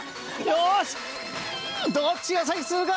よしどっちが先釣るか？